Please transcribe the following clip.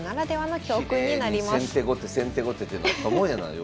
きれいに先手後手先手後手ってなったもんやなよう。